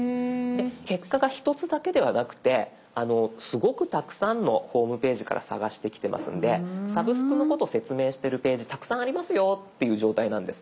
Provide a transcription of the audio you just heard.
結果が１つだけではなくてすごくたくさんのホームページから探してきてますんで「サブスク」のこと説明してるページたくさんありますよっていう状態なんです。